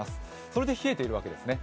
それで冷えているわけですね。